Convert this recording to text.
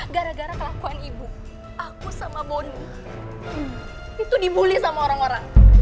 gara gara kelakuan ibu aku sama boni itu dibully sama orang orang